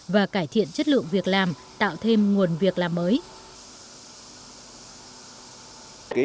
và cải thiện chất lượng việc làm tạo thêm nguồn việc làm mới